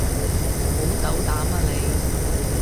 好斗膽啊你